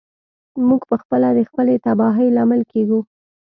موږ پخپله د خپلې تباهۍ لامل کیږو.